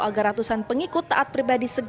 agar ratusan pengikut taat pribadi di probolinggo